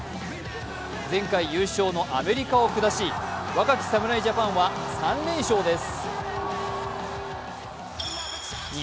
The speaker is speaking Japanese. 前回優勝のアメリカを下し若き侍ジャパンは３連勝です。